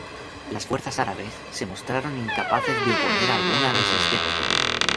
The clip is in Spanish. Las fuerzas árabes se mostraron incapaces de oponer alguna resistencia.